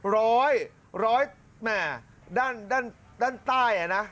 ร้อยแหม่ด้านใต้น่ะ